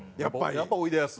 やっぱ「おいでやす」。